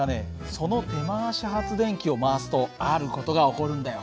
その手回し発電機を回すとある事が起こるんだよ。